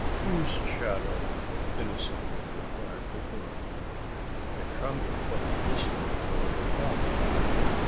"Whose shadow?" innocently inquired the girl. I trembled while listening for the reply.